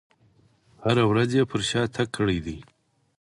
هره ورځ یې پر شا تګ کړی دی.